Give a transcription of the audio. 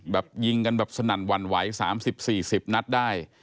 ยิงกันแบบสนั่นหวั่นไหว๓๐๔๐นัดได้